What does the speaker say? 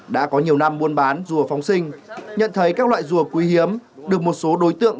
đã có nhiều năm buôn bán rùa phóng sinh nhận thấy các loại rùa quý hiếm được một số đối tượng